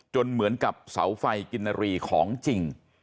เหมือนกับเสาไฟกินนารีของจริง